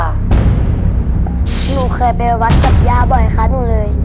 หนูเคยไปวัดกับย่าบ่อยคะหนูเลย